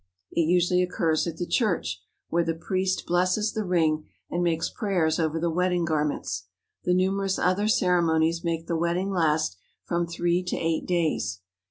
It usually occurs at the church, where the priest blesses the ring and makes prayers over the wedding garments. The numerous other ceremonies make the wedding last from three to eight days.